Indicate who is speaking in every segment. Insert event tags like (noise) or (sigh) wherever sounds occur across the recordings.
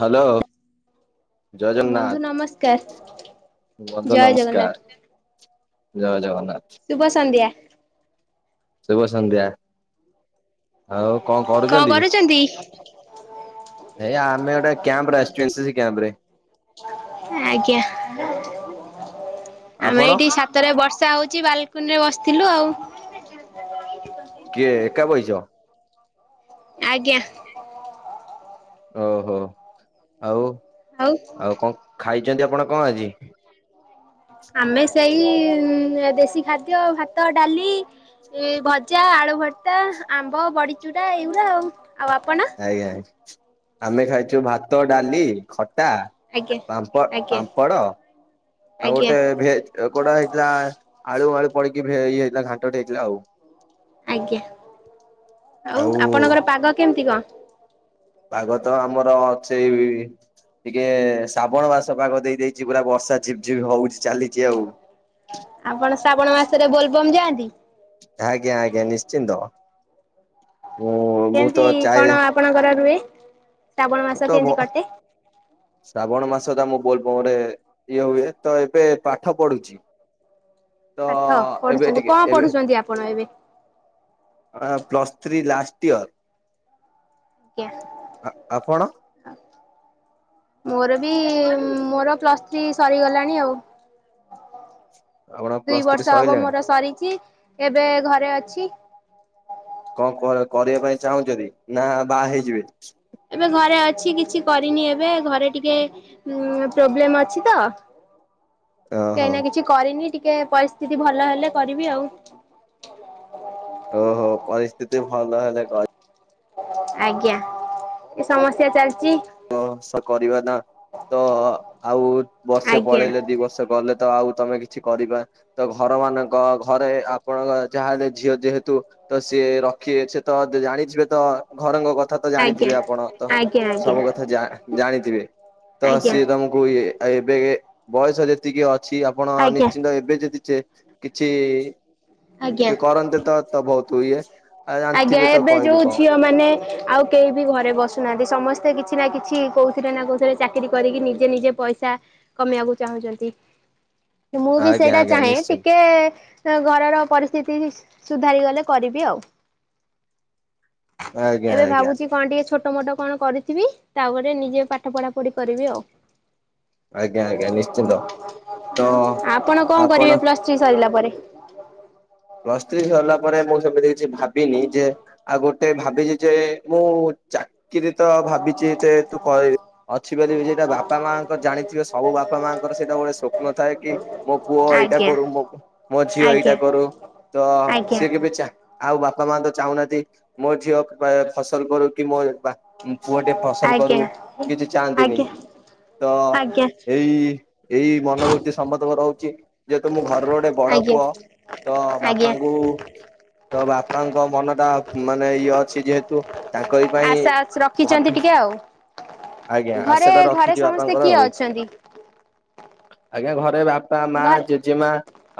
Speaker 1: Hello. ଜୟ
Speaker 2: ବନ୍ଧୁ
Speaker 1: ଜଗନ୍ନାଥ,
Speaker 2: ନମସ୍କାର
Speaker 1: ବନ୍ଧୁ
Speaker 2: ଜୟ ଜଗନ୍ନାଥ
Speaker 1: ନମସ୍କାର। ଜୟ ଜଗନ୍ନାଥ।
Speaker 2: ଶୁଭ ସନ୍ଧ୍ୟା।
Speaker 1: ଶୁଭ ସନ୍ଧ୍ୟା, ଆଉ କଣ କରୁଚନ୍ତି? ଏଇ ଆମେ ଗୋଟେ କ୍ୟାମ୍ପରେ ଆସିଚୁ ଏସ୍ ସେ ସି କ୍ୟାମ୍ପରେ।
Speaker 2: ଆଜ୍ଞା, ଆମେ
Speaker 1: ଆପଣ?
Speaker 2: ଏଇଠି ସା ତରେ ବର୍ଷା ହଉଚି ବାଲକୁନିରେ ବସିଥିଲୁ ଆଉ।
Speaker 1: କିଏ ଏକା ବଇଚ?
Speaker 2: ଆଜ୍ଞା।
Speaker 1: ଓହୋଃ, ଆଉ ଆଉ କଣ ଖାଇଚନ୍ତି ଆପଣ କଣ ଆଜି?
Speaker 2: ଆମେ ସେଇ ଦେଶୀ ଖାଦ୍ୟ ଭାତ ଡାଲି ଏ ଭଜା, ଆଳୁ ଭର୍ତ୍ତା, ଆମ୍ବ, ବଡ଼ିଚୁରା ଏଇଗୁରା ଆଉ, ଆଉ ଆପଣ?
Speaker 1: ଆଜ୍ଞା ଆମେ ଖାଇଛୁ ଭାତ ଡାଲି ଖଟା
Speaker 2: ଆଜ୍ଞା
Speaker 1: ପାମ୍ପ
Speaker 2: ଆଜ୍ଞା
Speaker 1: ପାମ୍ପଡ ଆଉ
Speaker 2: ଆଜ୍ଞା
Speaker 1: ଗୋଟେ ଭେଜ୍ କୋଉଟା ହେଇଥିଲା ଆଳୁ ଆଳୁ ପଡିକି ଭେ ଇଏ ହେଇଥିଲା ଘାଣ୍ଟଟେ ହେଇଥିଲା ଆଉ।
Speaker 2: ଆଜ୍ଞା, ଆଉ ଆପଣଙ୍କର ପାଗ କେମିତି କଣ?
Speaker 1: ପାଗ ତ ଆମର ଅଛି ଟିକେ ଶ୍ରାବଣ ମାସ ପାଗ ଦେଇଦେଇଛି ପୁରା ବର୍ଷା ଝିପଝିପ୍ ହଉଛି ଚାଲିଛି ଆଉ।
Speaker 2: ଆପଣ ଶ୍ରାବଣ ମାସରେ ବୋଲବମ୍ ଯାଆନ୍ତି?
Speaker 1: ଆଜ୍ଞା ଆଜ୍ଞା ନିଶ୍ଚିନ୍ତ, ମୁଁ ମୁଁ
Speaker 2: କେମିତି
Speaker 1: ତ
Speaker 2: କଣ
Speaker 1: ଚାଏ।
Speaker 2: ଆପଣଙ୍କର ରୁଏ?
Speaker 1: ମୁ ତ ବ ଶ୍ରାବଣ ମାସ ତ ମୁଁ ବୋଲବମରେ ଇଏ ହୁଏ ତ ଏବେ ପାଠ ପଢୁଛି। ତ
Speaker 2: ପାଠ
Speaker 1: ଏବେ
Speaker 2: ପଢୁଛନ୍ତି
Speaker 1: ଟିକେ
Speaker 2: କଣ
Speaker 1: ଏବେ
Speaker 2: ପଢୁଛନ୍ତି ଆପଣ ଏବେ?
Speaker 1: ଅ, ପ୍ଲସ୍ ଥ୍ରୀ ଲାଷ୍ଟ ଇୟର୍।
Speaker 2: କେ
Speaker 1: ଆ, ଆପଣ?
Speaker 2: ଆ, ମୋର ବି ମୋର ପ୍ଲସ୍ ଥ୍ରୀ ସରିଗଲାଣି ଆଉ।
Speaker 1: ଆପଣ
Speaker 2: ଦୁଇ
Speaker 1: ପ୍ଲସ୍ ଥ୍ରୀ
Speaker 2: ବର୍ଷ ହବ
Speaker 1: ସଇଲାଣି?
Speaker 2: ମୋର ସରିଚି, ଏବେ ଘରେ ଅଛି।
Speaker 1: କଣ କର କରିବା ପାଇଁ ଚାହୁଁଚନ୍ତି ନା ବାହା ହେଇଯିବେ?
Speaker 2: ଏବେ ଘରେ ଅଛି କିଛି କରିନି ଏବେ ଘରେ ଟିକେ ଉଁ, ପ୍ରୋବ୍ଲେମ୍ ଅଛି ତ।
Speaker 1: (inaudible) ଓହୋ
Speaker 2: ଏଇନା କିଛି କରିନି ଟିକେ ପରିସ୍ଥିତି ଭଲ ହେଲେ କରିବି ଆଉ।
Speaker 1: ଓହୋ, ପରିସ୍ଥିତି ଭଲ ହେଲେ କରି
Speaker 2: ଆଜ୍ଞା ଏ ସମସ୍ୟା ଚାଲିଚି।
Speaker 1: ତ ସେ କରିବା ନା, ତ ଆଉ ବର୍ଷେ
Speaker 2: ଆଜ୍ଞା
Speaker 1: ପଳେଇଲେ ଦି ବର୍ଷେ ଗଲେ ତ ଆଉ ତୋମେ କିଛି କରିବା, ତ ଘର ମାନଙ୍କ ଘରେ ଆପଣଙ୍କ ଯାହା ହେଲେ ଝିଅ ଯେହେତୁ ତ ସିଏ ରଖିବେ ସେ ତ ଦ-ଜାଣିଥିବେ ତ ଘରଙ୍କ କଥା ତ
Speaker 2: ଆଜ୍ଞା।
Speaker 1: ଜାଣିଥିବେ ଆପଣ ତ
Speaker 2: ଆଜ୍ଞା ଆଜ୍ଞା ଆଜ୍ଞା
Speaker 1: ସବୁ କ ଥ ଜା-ଜାଣିଥିବେ ତ
Speaker 2: ଆଜ୍ଞା
Speaker 1: ସିଏ ତୋମକୁ ଏ ଏବେ କେ ବୟସ ଯେତିକି ଅଛି ଆପଣ
Speaker 2: ଆଜ୍ଞା
Speaker 1: ନିଶ୍ଚିନ୍ତ ଏବେ ଯଦି ଚେ- କିଛି
Speaker 2: ଆଜ୍ଞା।
Speaker 1: କି କରନ୍ତେ ତ ତ ବହୁତ ଇଏ ଆଉ
Speaker 2: ଆଜ୍ଞା
Speaker 1: ଜାଣିଥିବେ ତ
Speaker 2: ଏବେ
Speaker 1: କହିଲି
Speaker 2: ଯୋଉ
Speaker 1: କଣ?
Speaker 2: ଝିଅ ମାନେ ଆଉ କେହି ବି ଘରେ ବସୁନାହାନ୍ତି, ସମସ୍ତେ କିଛି ନା କିଛି କୋଉଥିରେ ନା କୋଉଥିରେ ଚାକିରି କରିକି ନିଜେ ନିଜେ ପଇସା କମେଇବାକୁ ଚାହୁଁଚନ୍ତି।
Speaker 1: (inaudible)
Speaker 2: ଯେ ମୁଁ ବି ସେଇଟା
Speaker 1: ଆଜ୍ଞା
Speaker 2: ଚାହେଁ
Speaker 1: ନିଶ୍ଚିନ୍ତ
Speaker 2: ଟିକେ ତ ଘରର ପରିସ୍ଥିତି ବି- ସୁଧାରିଗଲେ କରିବି ଆଉ।
Speaker 1: ଆଜ୍ଞା
Speaker 2: ଏବେ
Speaker 1: ଆଜ୍ଞା
Speaker 2: ଭାବୁଛି କଣ ଟିକେ ଛୋଟ ମୋଟ କଣ କରିଥିବି। ତାପରେ ନିଜେ ପାଠ ପଢା ପଢି କରିବି ଆଉ।
Speaker 1: ଆଜ୍ଞା
Speaker 2: ଆଉ
Speaker 1: ଆଜ୍ଞା ନିଶ୍ଚିନ୍ତ। ତ
Speaker 2: ଆପଣ କଣ କରିବେ ପ୍ଲସ୍ ଥ୍ରୀ ସରିଲା ପରେ?
Speaker 1: ପ୍ଲସ୍ ଥ୍ରୀ ସରିଲା ପରେ ମୁଁ ସେମିତି କିଛି ଭାବିନି ଯେ ଆଗ ତେ ଭାବିଚି ଯେ ମୁଁ ଚାକିରି ତ ଭାବିଛି ତେ ତୁ କରିବି। ଅଛି ବୋଲି ଯେ ସେ ବାପା ମାଆଙ୍କ ଜାଣିଥିବ ସବୁ ବାପା ମାଆଙ୍କର ସେଟା ଗୋଟେ ସ୍ୱପ୍ନ ଥାଏ କି ମୋ ପୁଅ ଏଇଟା
Speaker 2: ଆଜ୍ଞା
Speaker 1: କରୁ, ମୋ ମୋ ଝିଅ ଏଇଟା
Speaker 2: ଆଜ୍ଞା
Speaker 1: କରୁ ତ
Speaker 2: ଆଜ୍ଞା
Speaker 1: ସିଏ କେ ରେ ଚା ଆଉ ବାପା ମା ତ ଚାହୁଁନାହାନ୍ତି ମୋ ଝିଅ ବେ-ଫସଲ କରୁ କି ମୋ ବା ଉଁ, ପୁଅଟେ ଫସଲ କରୁ
Speaker 2: ଆଜ୍ଞା
Speaker 1: କିଛି ଚାହାନ୍ତିନି,
Speaker 2: ଆଜ୍ଞା
Speaker 1: ତ
Speaker 2: ଆଜ୍ଞା
Speaker 1: ଏଇ ଏଇ ମନୋଭୃର୍ତ୍ତି ସମସ୍ତଙ୍କ ରହୁଛି, ଯେହେତୁ ମୁଁ ଘରର ଗୋଟେ ବଡ
Speaker 2: ଆଜ୍ଞା
Speaker 1: ପୁଅ ତ
Speaker 2: ଆଜ୍ଞା
Speaker 1: ବାପାଙ୍କୁ ତ ବାପାଙ୍କ ମନ ଟା ଉଁ, ମାନେ ଇଏ ଅଛି ଯେହେତୁ ତାଙ୍କରି ପାଇଁ
Speaker 2: ଖିଚନ୍ତି
Speaker 1: ଭାବି
Speaker 2: ଟିକେ ଆଉ,
Speaker 1: ଆଜ୍ଞା ଆଶା
Speaker 2: ଘରେ
Speaker 1: ଟା
Speaker 2: ଘରେ
Speaker 1: ରଖିଛି
Speaker 2: ସମସ୍ତେ
Speaker 1: ବାପାଙ୍କର
Speaker 2: କିଏ
Speaker 1: ଆଉ
Speaker 2: ଅଛନ୍ତି?
Speaker 1: ଆଜ୍ଞା ଘରେ ବାପା, ମା,
Speaker 2: ଘରେ
Speaker 1: ଜେଜେମା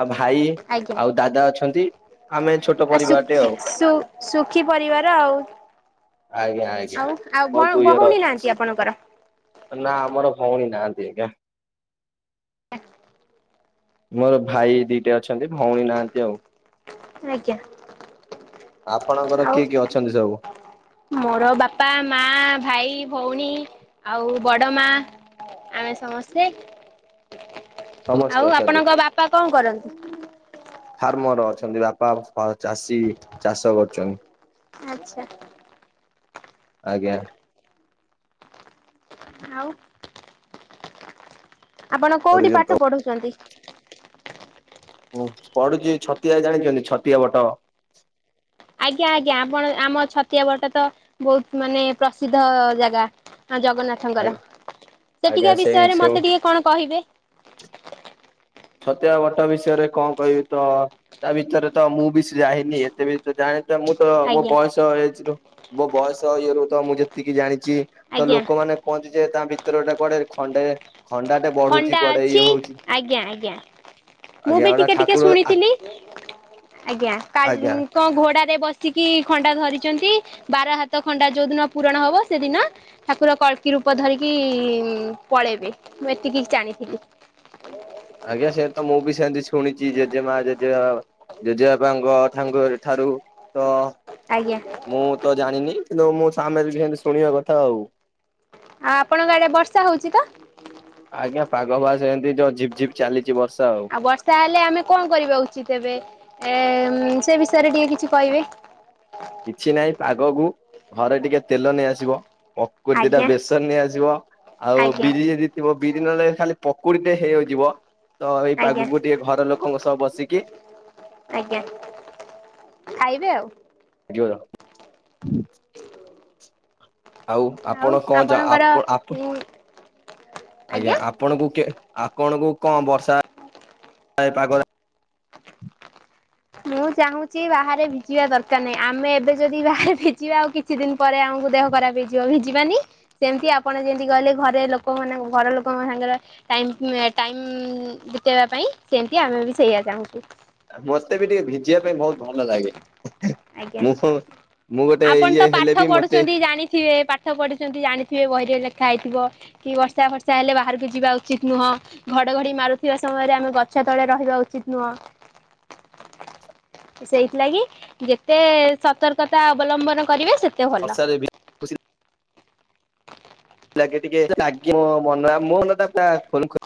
Speaker 1: ଆଉ ଭାଇ
Speaker 2: ଆଜ୍ଞା
Speaker 1: ଆଉ ଦାଦା ଅଛନ୍ତି ଆମେ ଛୋଟ
Speaker 2: ଆ,
Speaker 1: ପରିବାରଟେ
Speaker 2: ସୁଖି
Speaker 1: ଆଉ
Speaker 2: ସୁ- ସୁଖୀ ପରିବାର ଆଉ।
Speaker 1: ଆଜ୍ଞା, ଆଜ୍ଞା
Speaker 2: ଆଉ ଆଉ ଭ
Speaker 1: ବହୁତ ଇଏର
Speaker 2: ଭଉଣୀ ନାହାନ୍ତି
Speaker 1: ଅଛୁ।
Speaker 2: ଆପଣଙ୍କର?
Speaker 1: ନା ଆମର ଭଉଣୀ ନାହାନ୍ତି ଆଜ୍ଞା।
Speaker 2: ଆ,
Speaker 1: ମୋର ଭାଇ ଦିଟା ଅଛନ୍ତି, ଭଉଣୀ ନାହାନ୍ତି ଆଉ।
Speaker 2: ଆଜ୍ଞା,
Speaker 1: ଆପଣଙ୍କର
Speaker 2: ଆଉ
Speaker 1: କିଏ କିଏ ଅଛନ୍ତି ସବୁ
Speaker 2: ମୋର ବାପା, ମା, ଭାଇ, ଭଉଣୀ ଆଉ ବଡ ମା ଆମେ ସମସ୍ତେ ଆଉ
Speaker 1: ସମସ୍ତେ ଅଛନ୍ତି।
Speaker 2: ଆପଣଙ୍କ ବାପା କଣ କରନ୍ତି?
Speaker 1: ଫାର୍ମର୍ ଅଛନ୍ତି ବାପା ଅ, ଚାଷୀ ଚାଷ କରୁଛନି।
Speaker 2: ଆଚ୍ଛା।
Speaker 1: ଆଜ୍ଞା।
Speaker 2: ଆଉ। ଆପଣ କୋଉଠି
Speaker 1: କରୁଛନ୍ତି ତ
Speaker 2: ପାଠ ପଢୁଛନ୍ତି?
Speaker 1: ହୁଁ ପଢୁଚି ଛତିଆ ଜାଣିଚନ୍ତି ଛତିଆ ବଟ?
Speaker 2: ଆଜ୍ଞା ଆଜ୍ଞା ଆପଣ ଆମ ଛତିଆବଟ ତ ବହୁତ ମାନେ ପ୍ରସିଦ୍ଧ ଜାଗା। ହଁ ଜଗନ୍ନାଥଙ୍କର
Speaker 1: ଆଜ୍ଞା
Speaker 2: ସେଠିକା
Speaker 1: ସେଇ
Speaker 2: ବିଷୟରେ
Speaker 1: ସେଉ
Speaker 2: ମତେ ଟିକେ କଣ କହିବେ।
Speaker 1: ଛତଆ ବଟ ବିଷୟରେ କଣ କହିବି ତ ତା ଭିତରେ ତ ମୁଁ ବିଶି ଯାହିନି ଏତେ ବେଶି ତ ଜାଣିଚ ମୁଁ ତ ମୋ
Speaker 2: ଆଜ୍ଞା
Speaker 1: ବୟସ ଏଜ୍ ରୁ ମୋ ବୟସ ଇଏରୁ ତ ମୁଁ ଯେତିକି ଜାଣିଚି ତ
Speaker 2: ଆଜ୍ଞା
Speaker 1: ଲୋକମାନେ ପହଞ୍ଚିଯାଏ ତା ଭିତରେ ଗୋଟେ କୁଆଡ଼େ ଖଣ୍ଡେ ଖଣ୍ଡାଟେ ବଢୁଛି
Speaker 2: ଖଣ୍ଡା
Speaker 1: କୁଆଡେ
Speaker 2: ଅଛି
Speaker 1: ଇଏ ହଉଛି
Speaker 2: ଆ ଜ୍ଞା ଆଜ୍ଞା ମୁଁ
Speaker 1: ଆଜ୍ଞା
Speaker 2: ବି
Speaker 1: ଗୋଟା
Speaker 2: ଟିକେ ଟିକେ
Speaker 1: ଠାକୁର
Speaker 2: ଶୁଣିଥିଲି ଆଜ୍ଞା
Speaker 1: ଆଜ୍ଞା
Speaker 2: କାଲୁଁ କଁ ଘୋଡ଼ାରେ ବସିକି ଖଣ୍ଡା ଧରିଚନ୍ତି ବାର ହାତ ଖଣ୍ଡା ଯୋଉ ଦିନ ପୂରଣ ହବ ସେଦିନ ଠାକୁର କଳ୍କି ରୂପ ଧରିକି ପଳେଇବେ ମୁଁ ଏତିକିସ୍ ଜାଣିଥିଲି।
Speaker 1: ଆଜ୍ଞା ସେ ତ ମୁଁ ବି ସେମିତି ଶୁଣିଚି ଜେଜେମା ଜେଜେବା ଜେଜେ ବାବାଙ୍କ ଥାଙ୍ଗ ଠାରୁ ତ
Speaker 2: ଆଜ୍ଞା
Speaker 1: ମୁଁ ତ ଜାଣିନି କିନ୍ତୁ ମୋ ସାମ ହେରିଘେ ଏନ୍ତି ଶୁଣିବା କଥା ଆଉ।
Speaker 2: ଆ ଆପଣଙ୍କ ଆଡ଼େ ବର୍ଷା ହଉଚି ତ?
Speaker 1: ଆଜ୍ଞା ପାଗ ବାସ୍ ଏନ୍ତି ଯୋଉ ଝିପ୍ ଝିପ୍ ଚାଲିଚି ବର୍ଷା ଆଉ।
Speaker 2: ଆଉ ବର୍ଷା ହେଲେ ଆମେ କଁ କରିବା ଉଚିତ୍ ଏବେ ଏ ସେ ବିଷୟରେ ଟିକେ କିଛି କହିବେ।
Speaker 1: କିଛି ନାହିଁ ପାଗକୁ ଘରେ ଟିକେ ତେଲ ନେଇଆସିବ। ପକୁ ଦିଟା
Speaker 2: ଆଜ୍ଞା
Speaker 1: ବେସନ ନେଇଆସିବ ଆଉ
Speaker 2: ଆଜ୍ଞା
Speaker 1: ବିରି ଏଦି ଥିବ ବିରି ନହେଲେ ଖାଲି ପକୁଡି଼ଟେ ହେଇ ଆଉ ଯିବ ତ ଏଇ
Speaker 2: ଆଜ୍ଞା
Speaker 1: ପାଗୁକୁ ଟିକେ ଘର ଲୋକଙ୍କ ସହ ବସିକି
Speaker 2: ଆଜ୍ଞା ଖାଇବେ ଆଉ।
Speaker 1: ଗିଅର। ଆଉ ଆପଣ କଁ ଯା ଆପ ଆପ
Speaker 2: ଉଁ
Speaker 1: ଆଜ୍ଞା ଆ ପଣଙ୍କୁ କେ ଆପଣଙ୍କୁ କଁ ବର୍ଷା ଏ ପାଗରେ
Speaker 2: ମୁଁ ଚାହୁଁଚି ବାହାରେ ଭିଜିବା ଦରକାର ନାହିଁ ଆମେ ଏବେ ଯଦି ବାହାରେ ଭିଜିବା ଆଉ କି କଛି ଦିନ ପରେ ଆମୁକୁ ଦେହ ଖରାପ ହେଇଯିବ ଭିଜିବାନି। ସେମତି ଆପଣ ଯେନ୍ତି କହିଲେ ଘରେ ଲୋକମାନେ ଘର ଲୋକଙ୍କ ସାଙ୍ଗେରେ ଟାଇମ୍ ଏ ଟାଇମ୍ ବିତେଇବା ପାଇଁ ସେମତି ଆମେ ବି ସେଇଆ ଚାହୁଁଚୁ।
Speaker 1: ମତେ ବି ଟିକେ ଭିଜିବା ପାଇଁ ବହୁତ ଭଲ ଲାଗେ।
Speaker 2: ଆଜ୍ଞା
Speaker 1: ମୁଁ ମୁଁ ଗୋଟେ
Speaker 2: ଆପଣ
Speaker 1: ଇଏ
Speaker 2: ତ
Speaker 1: ହେଲେ
Speaker 2: ପାଠ
Speaker 1: ବି ମତେ
Speaker 2: ପଢ଼ୁଛନ୍ତି ଜାଣିଥିବେ ପା ଠ ପଢ଼ିଛନ୍ତି ଜାଣିଥିବେ ବହିରେ ଲେଖା ହେଇଥିବ କି ବର୍ଷା ଫର୍ଷା ହେଲେ ବାହାରୁକୁ ଯିବା ଉଚିତ୍ ନୁହଁ। ଘଡ଼ଘଡ଼ି ମାରୁଥିବା ସମୟରେ ଆମେ ଗଛ ତଳେ ରହିବା ଉଚିତ ନୁହଁ। ସେଇଥିଲାଗି ଯେତେ ସତର୍କତା ଅବଲମ୍ବନ କରିବେ ସେତେ ଭଲ।
Speaker 1: ବର୍ଷାରେ ଭି ଖୁସି ଲାଗେ ଟିକେ ତ ଲାଗିବ ମନ ଆ ମୋନଟା ପା ଖୋଲଖ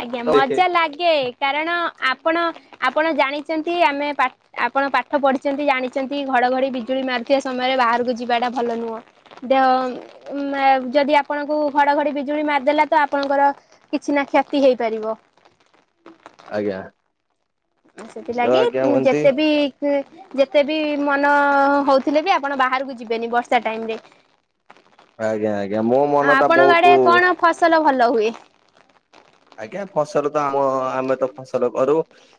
Speaker 2: ଆଜ୍ଞା
Speaker 1: ଖୋଲ ଦେଖେ
Speaker 2: ମଜା ଲାଗେ କାରଣ ଆପଣ ଆପଣ ଜାଣିଚନ୍ତି ଆମେ ପା ଆପଣ ପାଠ ପଢ଼ିଛନ୍ତି ଜାଣିଛନ୍ତି ଘଡ଼ଘଡ଼ି ବିଜୁଳି ମାରୁଥିବା ସମୟରେ ବାହାରୁକୁ ଯିବାଟା ଭଲ ନୁହଁ। ଦେହ ଉଁମା ଯଦି ଆପଣଙ୍କୁ ଘଡ଼ଘଡ଼ି ବିଜୁଳି ମାରିଦେଲା ତ ଆପଣଙ୍କର କିଛି ନା କ୍ଷତି ହେଇପାରିବ।
Speaker 1: ଆଜ୍ଞା।
Speaker 2: ଉଁ
Speaker 1: ତ
Speaker 2: ସେଥିଲାଗି
Speaker 1: ଆଜ୍ଞା ମନ୍ତି
Speaker 2: ଯେତେ ବି ତେ ଯେତେ ବି ମନ ହଉଥିଲେ ବି ଆପଣ ବାହାରୁକୁ ଯିବେନି ବର୍ଷା ଟାଇମ୍ ରେ।
Speaker 1: ଆଜ୍ଞା ଆଜ୍ଞା ମୋ
Speaker 2: ଆଉ
Speaker 1: ମନଟା
Speaker 2: ଆପଣଙ୍କ ଆଡେ
Speaker 1: ବହୁତୁ
Speaker 2: କଣ ଫସଲ ଭଲ ହୁଏ।
Speaker 1: ଆଜ୍ଞା ଫସଲ ତ ଆମ ଆମ ତ ଫସଲ କରୁ।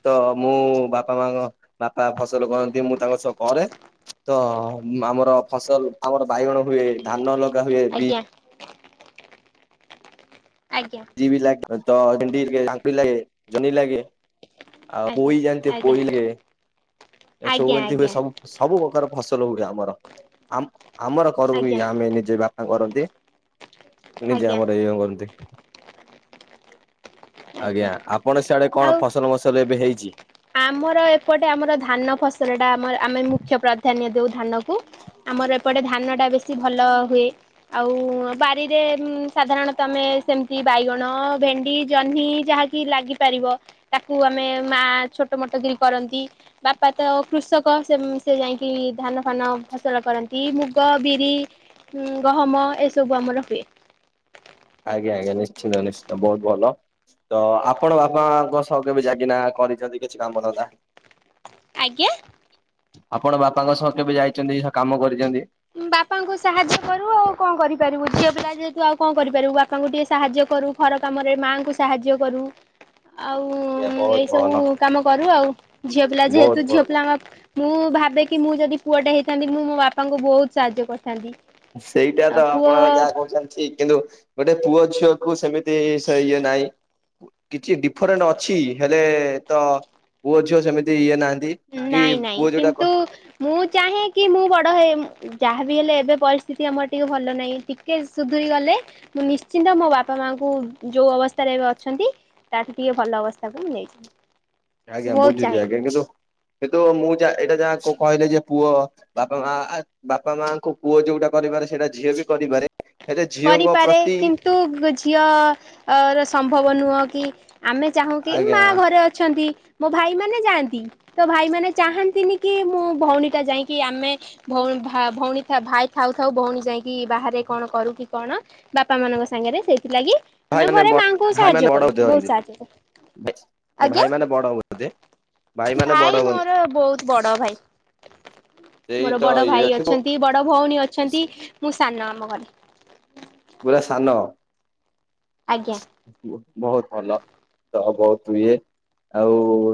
Speaker 1: ତ ମୁଁ ବାପା ମାଙ୍କ ବାପା ଫସଲ କରନ୍ତି ମୁଁ ତାଙ୍କ ସହ କରେ। ତ ଆମର ଫସଲ ଆମର ବାଇଗଣ ହୁଏ ଧାନ ଲଗା ହୁଏ ବି
Speaker 2: ଆଜ୍ଞା ଆଜ୍ଞା।
Speaker 1: ଟି ବି ଲାଗେ ତ ଭେଣ୍ଡି ଆମ୍ପି ଲାଗେ ଜହ୍ନି ଲାଗେ। ଆଉ
Speaker 2: ଆଜ୍ଞା
Speaker 1: ପୋଇ ଜାଣିଥିଏ
Speaker 2: ଆଜ୍ଞା
Speaker 1: ପୋଇ ଲେଗେ। ଏ ସବୁ
Speaker 2: ଆଜ୍ଞା
Speaker 1: ଏନ୍ତି ହୁଏ ସବୁ ସବୁ ପକାର ଫସଲ ହୁଏ ଆମର। ଆମ ଆମର କରୁ
Speaker 2: ଆଜ୍ଞା
Speaker 1: ହିଁ
Speaker 2: ଆଜ୍ଞା
Speaker 1: ଆମେ ନିଜେ ବା କରନ୍ତି ନିଜେ
Speaker 2: ଆଜ୍ଞା
Speaker 1: ଆମର ଏଇ (unintelligible) କରନ୍ତି। ଆଜ୍ଞା ଆପଣ ସିଆଡେ କଣ
Speaker 2: ଆଉ
Speaker 1: ଫସଲ ମସଲ ଏବେ ହେଇଛି?
Speaker 2: ଆମର ଏପଟେ ଆମର ଧାନ ଫସଲ ଟା ଆମ ଆମେ ମୁଖ୍ୟ ପ୍ରାଧାନ୍ୟ ଦଉ ଧାନ କୁ ଆମର ଏପଟେ ଧାନ ଟା ବେଶୀ ଭଲ ହୁଏ। ଆଉ ବାରିରେ ଉଁ ସାଧାରଣତଃ ଆମେ ସେମିତି ବାଇଗଣ ଭେଣ୍ଡି ଜହ୍ନି ଯାହାକି ଲାଗି ପାରିବ ତାକୁ ଆମେ ମା ଛୋଟ ମୋଟ ଦେଇ କରନ୍ତି। ବାପା ତ କୃଷକ ସେ ସେ ଯାଇକି ଧାନ ଫାନ ଫସଲ କରନ୍ତି ମୁଗ ବିରି ଉଁ ଗହମ ଏସବୁ ଆମର ହୁଏ।
Speaker 1: ଆଜ୍ଞା ଆଜ୍ଞା ନିଶ୍ଚିନ୍ତ ନିଶ୍ଚିନ୍ତ ବହୁତ ଭଲ। ତ ଆପଣ ବାପାଙ୍କ ସହ କେବେ ଯାଗିନା କରିଛନ୍ତି କିଛି କାମ ନଥାନ୍ତା।
Speaker 2: ଆଜ୍ଞା।
Speaker 1: ଆପଣ ବାପାଙ୍କ ସହ କେବେ ଯାଇଛନ୍ତି କାମ କରିଛନ୍ତି।
Speaker 2: ବାପାଙ୍କୁ ସାହାଯ୍ୟ କରୁ ଆଉ କଣ କରିପାରିବୁ ଝିଅ ପିଲା ଯେହେତୁ ଆଉ କଣ କରିପାରିବୁ ବାପାଙ୍କୁ ଟିକେ ସାହାଯ୍ୟ କରୁ। ଘର କାମରେ ମାଆଙ୍କୁ ସାହାଯ୍ୟ କରୁ।
Speaker 1: ଆଜ୍ଞା
Speaker 2: ଆଉଁ
Speaker 1: ବହୁତ
Speaker 2: ଏଇ
Speaker 1: ଭଲ
Speaker 2: ସବୁ କାମ କରୁ ଆଉ ଝିଅ ପିଲା
Speaker 1: ବହୁତ
Speaker 2: ଯେହେତୁ ଝିଅ
Speaker 1: ଭଲ।
Speaker 2: ପିଲା ଆମ ମୁଁ ଭାବେ କି ମୁଁ ଯଦି ପୁଅଟା ହେଇଥାନ୍ତି ମୁଁ ମୋ ବାପାଙ୍କୁ ବହୁତ ସାହାଯ୍ୟ କରିଥାନ୍ତି।
Speaker 1: ସେଇଟା
Speaker 2: ଆଉ
Speaker 1: ତ
Speaker 2: ପୁଅ
Speaker 1: ଆପଣ ଯାହା କହୁଛନ୍ତି ଠିକ। କିନ୍ତୁ ଗୋଟେ ପୁଅ ଝିଅ କୁ ସେମିତି ସେ ଇଏ ନାହିଁ। କିଛି ଡିଫରେଣ୍ଟ ଅଛି ହେଲେ ତ ପୁଅ ଝିଅ ସେମିତି ଇଏ ନାହାନ୍ତି। କି
Speaker 2: ନାଇଁ ନାଇଁ
Speaker 1: ପୁଅ ଯୋଉଟା
Speaker 2: କିନ୍ତୁ
Speaker 1: କ
Speaker 2: ମୁଁ ଚାହେଁ କି ମୁଁ ବଡ଼ ହେ ଯାହାବି ହେଲେ ଏବେ ପରିସ୍ଥିତି ଆମର ଟିକେ ଭଲ ନାହିଁ। ଟି କେ ସୁଧରି ଗଲେ ମୁଁ ନିଶ୍ଚିନ୍ତ ମୋ ବାପା ମାଙ୍କୁ ଯୋଉ ଅବସ୍ଥାରେ ଏବେ ଅଛନ୍ତି। ତାଠୁ ଟିକେ ଭଲ ଅବସ୍ଥାକୁ ମୁଁ ନେଇଯିବି।
Speaker 1: ଆଜ୍ଞା
Speaker 2: ମୁଁ ବହୁତ
Speaker 1: ବୁଝୁଛି
Speaker 2: ଚାହେଁ
Speaker 1: ଆଜ୍ଞା କିନ୍ତୁ କିନ୍ତୁ ମୁଁ ଯା ଏଇଟା ଯାହା କହିଲେ ଯେ ପୁଅ ବାପା ମା ଆ ବାପା ମାଙ୍କୁ ପୁଅ ଯୋଉଟା କରିବାରେ ସେଇଟା ଝିଅ ବି କରିିବାରେ।
Speaker 2: କରିପାରେ କିନ୍ତୁ ଝିଅ ର ସମ୍ଭବ ନୁହେଁ କି ଆମେ ଚାହୁଁ କି
Speaker 1: ଆଜ୍ଞା
Speaker 2: ମା ଘରେ ଅଛନ୍ତି। ମୋ ଭାଇ ମାନେ ଯାଆନ୍ତି ତ ଭାଇ ମାନେ ଚାହାନ୍ତିନି କି ମୁଁ ଭଉଣୀ ଟା ଯାଇକି ଆମେ ଭଉଣୀ ଭ ଭଉଣୀ ଭାଇ ଥାଉ ଥାଉ ଭଉଣୀ ଯାଇକି ବାହାରେ କଣ କରୁ କି କଣ ବାପା ମାନଙ୍କ ସାଙ୍ଗରେ ସେଇଥିଲାଗି
Speaker 1: ଭାଇ
Speaker 2: ଆମେ
Speaker 1: ମାନେ
Speaker 2: ଘରେ
Speaker 1: ବ
Speaker 2: ମାଆଙ୍କୁ
Speaker 1: ଭାଇ ମାନେ
Speaker 2: ସାହାଯ୍ୟ
Speaker 1: ବଡ
Speaker 2: କରୁ
Speaker 1: ବୋଧେ
Speaker 2: ବହୁତ
Speaker 1: ଅଛନ୍ତି।
Speaker 2: ସାହାଯ୍ୟ କରୁ ଆଜ୍ଞା।
Speaker 1: ଭାଇ ମାନେ ବଡ ବୋଧେ ମାନେ ବଡ
Speaker 2: ଭାଇ
Speaker 1: ହବନି
Speaker 2: ମୋର ବହୁତ ବଡ ଭାଇ।
Speaker 1: ସେଇ
Speaker 2: ମୋର
Speaker 1: ତ
Speaker 2: ବଡ
Speaker 1: ଇଏ
Speaker 2: ଭାଇ ଅଛନ୍ତି ବଡ ଭଉଣୀ ଅଛନ୍ତି ମୁଁ ସାନ ଆମ ଘରେ।
Speaker 1: ପୁରା ସାନ।
Speaker 2: ଆଜ୍ଞା
Speaker 1: ବୋ ବହୁତ ଭଲ ତ ବହୁତ ଇଏ। ଆଉ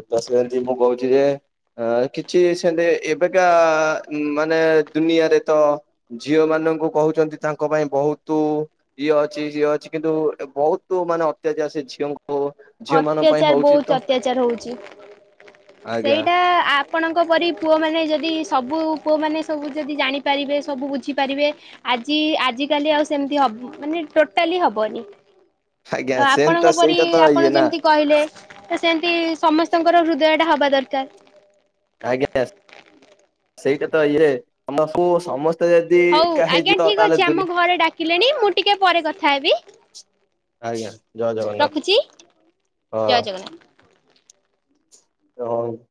Speaker 1: (unintelligible) ମୁଁ କହୁଛି ଯେ ଆ କିଛି ସେମିତି ଏବେକା ମାନେ ଦୁନିଆରେ ତ ଝିଅ ମାନଙ୍କୁ କହୁଛନ୍ତି ତାଙ୍କ ପାଇଁ ବହୁତ ତୁ ଇଏ ଅଛି ସିଏ ଅଛି କିନ୍ତୁ ବହୁତ ମାନେ ଅତ୍ୟାଚାର ସେ ଝିଅଙ୍କୁ ଝିଅ ମାନଙ୍କ ପାଇଁ
Speaker 2: ଅତ୍ୟାଚାର
Speaker 1: ହଉଛି
Speaker 2: ବହୁତ
Speaker 1: ତ
Speaker 2: ଅତ୍ୟାଚାର ହଉଛି
Speaker 1: ଆଜ୍ଞା
Speaker 2: ସେଇଟା ଆ ଆପଣଙ୍କ ପରି ପୁଅମାନେ ଯଦି ସବୁ ପୁଅମାନେ ସବୁ ଯଦି ଜାଣିପାରିବେ ସବୁ ବୁଝିପାରିବେ ଆଜି ଆଜିକାଲି ଆଉ ସେମିତି ହବ ମାନେ ଟୋଟାଲି ହବନି।
Speaker 1: ଆଜ୍ଞା ସେମତି
Speaker 2: ଆପଣଙ୍କ
Speaker 1: ତ
Speaker 2: ପରି
Speaker 1: ସେଇଟା ତ
Speaker 2: ଆପଣ
Speaker 1: ଇଏ ନା
Speaker 2: ଯେମିତି କହିଲେ ସେମିତି ସମସ୍ତଙ୍କର ହୃଦୟ ଟା ହବା ଦରକାର।
Speaker 1: ଆଜ୍ଞା ସେଇଟା ତ ଇଏ ତମକୁ ସମସ୍ତେ ସମସ୍ତେ ଯଦି
Speaker 2: ହଉ
Speaker 1: ଏକା
Speaker 2: ଆଜ୍ଞା
Speaker 1: ହେଇଚି ତ
Speaker 2: ଠିକ୍ ଅଛି
Speaker 1: ତାହାଲେ
Speaker 2: ଆମ
Speaker 1: ଦୁନ
Speaker 2: ଘରେ ଡାକିଲେଣି ମୁଁ ଟିକେ ପରେ କଥା ହେବି।
Speaker 1: ଆଜ୍ଞା ଜୟ ଜଗନ୍ନାଥ
Speaker 2: ରଖୁଛି ଜୟ ଜଗନ୍ନାଥ।
Speaker 1: ହଉ।